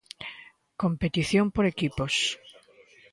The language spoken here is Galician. Competición por equipos.